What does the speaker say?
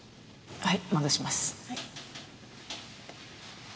はい。